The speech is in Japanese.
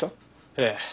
ええ。